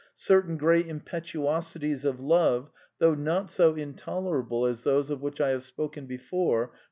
Certain great impetuosities of love, though not so intolerable as those of which I have spoken before